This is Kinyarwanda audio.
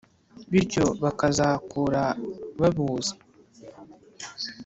bityo bakazakura babuzi